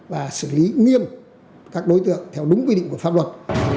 và xử lý nghiêm các đối tượng theo đúng quy định của pháp luật